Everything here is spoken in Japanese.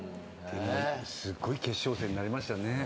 すごい決勝戦になりましたね。